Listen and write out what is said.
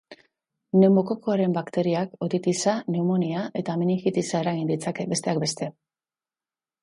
Pneumokokoaren bakteriak otitisa, pneumonia eta meningitisa eragin ditzake, besteak beste.